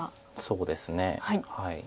そうですね。